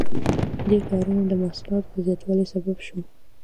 دې کارونو د محصولاتو د زیاتوالي سبب شو.